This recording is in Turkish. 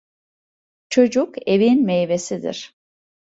Çocuk evin meyvesidir.